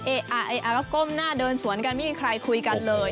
ก็ก้มหน้าเดินสวนกันไม่มีใครคุยกันเลย